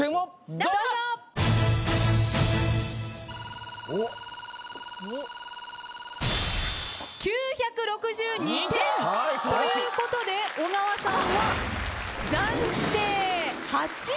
どうぞ！ということで小川さんは暫定８位。